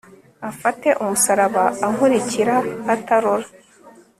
afate umusaraba ankurikira atarora